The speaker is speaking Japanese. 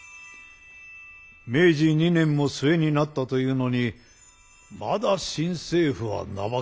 明治２年も末になったというのにまだ新政府は名ばかりだ。